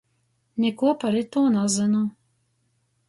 Nikuo par itū nazynu.